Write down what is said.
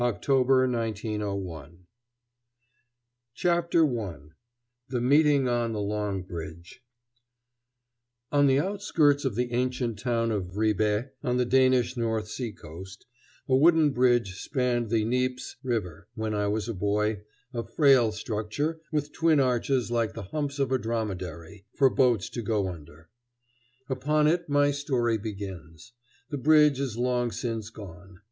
"That minute I knew" CHAPTER I THE MEETING ON THE LONG BRIDGE [Illustration: Our Stork] On the outskirts of the ancient town of Ribe, on the Danish north seacoast, a wooden bridge spanned the Nibs River when I was a boy a frail structure, with twin arches like the humps of a dromedary, for boats to go under. Upon it my story begins. The bridge is long since gone.